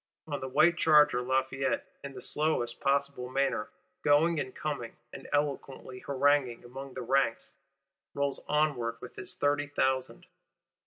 On the white charger, Lafayette, in the slowest possible manner, going and coming, and eloquently haranguing among the ranks, rolls onward with his thirty thousand.